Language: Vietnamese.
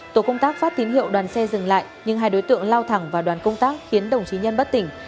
tổ công tác phát tín hiệu đoàn xe dừng lại nhưng hai đối tượng lao thẳng vào đoàn công tác khiến đồng chí nhân bất tỉnh